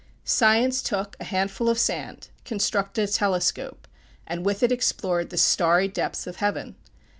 Science took a handful of sand, constructed a telescope, and with it explored the starry depths of heaven.